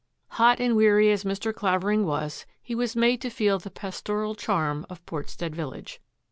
Hot and weary as Mr. Clavering was, he was made to feel the pastoral charm of Portstead vil lage.